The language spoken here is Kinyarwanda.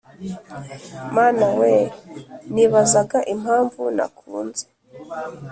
mana we nibazaga impamvu nakunze